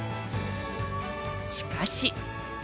しかし。